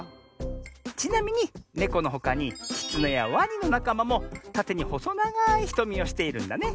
ちなみにネコのほかにキツネやワニのなかまもたてにほそながいひとみをしているんだね。